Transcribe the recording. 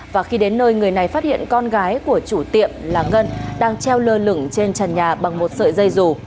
và khi đến nơi người này phát hiện con gái của chủ tiệm là ngân đang treo lơ lửng trên trần nhà bằng một sợi dây rù